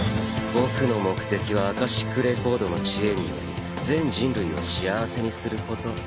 僕の目的はアカシックレコードの知恵により全人類を幸せにすること。